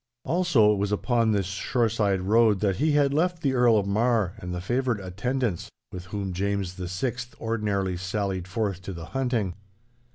Also it was upon this shoreside road that he had left the Earl of Mar and the favourite attendants with whom James the Sixth ordinarily sallied forth to the hunting.